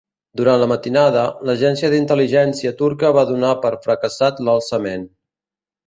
Durant la matinada, l'agència d'intel·ligència turca va donar per fracassat l'alçament.